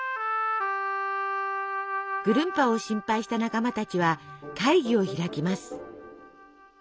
ぐるんぱを心配した仲間たちは会議を開きます。